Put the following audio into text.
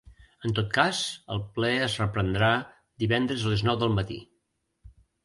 En tot cas, el ple es reprendrà divendres a les nou del matí.